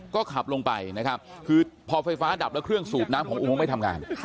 ก็ขับลงไปนะครับคือพอไฟฟ้าดับแล้วเครื่องสูบน้ำของอุโมงไม่ทำงาน